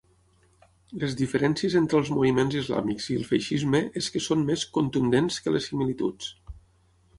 Les diferències entre els moviments islàmics i el feixisme és que són més "contundents" que les similituds.